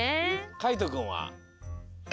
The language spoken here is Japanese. かいとくんは？